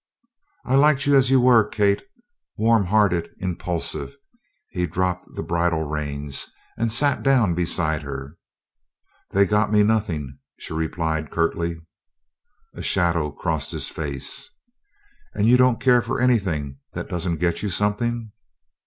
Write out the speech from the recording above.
"I liked you as you were, Kate warm hearted, impulsive." He dropped the bridle reins and sat down beside her. "That got me nothing," she replied curtly. A shadow crossed his face. "And you don't care for anything that doesn't get you something?"